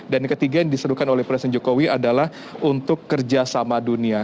dan yang ketiga yang disuruhkan oleh presiden jokowi adalah untuk kerja sama dunia